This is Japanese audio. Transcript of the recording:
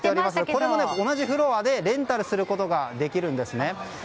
これも同じフロアでレンタルすることができるんです。